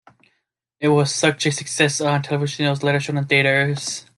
It was such a success on television that it was later shown in theaters.